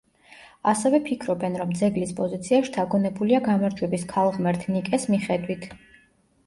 ასევე ფიქრობენ რომ ძეგლის პოზიცია შთაგონებულია გამარჯვების ქალღმერთ ნიკეს მიხედვით.